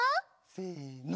せの。